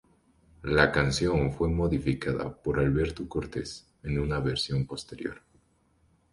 La canción fue modificada por Alberto Cortez en una versión posterior.